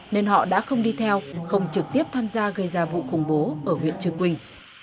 nên họ đã không đi theo không trực tiếp tham gia gây ra vụ khủng bố ở huyện chư quynh